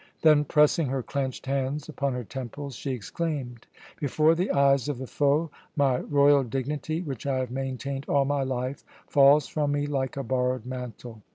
Then pressing her clenched hands upon her temples, she exclaimed: "Before the eyes of the foe my royal dignity, which I have maintained all my life, falls from me like a borrowed mantle.